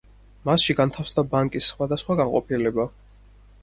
მასში განთავსდა ბანკის სხვადასხვა განყოფილება.